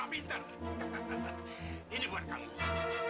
kalau anak dari sekiter berkajurin